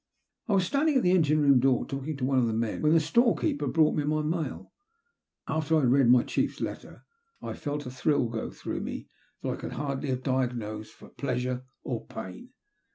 I was standing at the engine room door, talking to one of the men, when the store keeper brought me my mail. After I had read my chief's letter, I felt a thrill go through me that I could hardly have diagnosed for pleasure or pain.